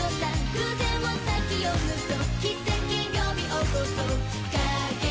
偶然を先読むぞ奇跡呼び起こそう加減